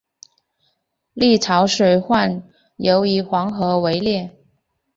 历朝水患尤以黄河为烈。